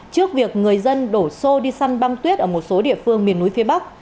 trước việc người dân đổ xô đi săn băng tuyết ở một số địa phương miền núi phía bắc